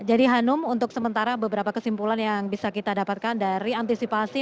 hanum untuk sementara beberapa kesimpulan yang bisa kita dapatkan dari antisipasi